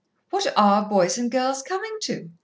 "What are boys and girls coming to?